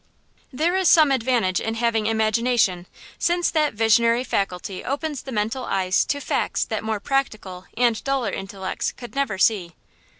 THERE is some advantage in having imagination, since that visionary faculty opens the mental eyes to facts that more practical and duller intellects could never see.